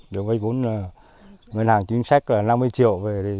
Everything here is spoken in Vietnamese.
được vay vốn ngân hàng chính sách năm mươi triệu